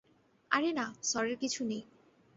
আরে না, সরির কিছু নেই।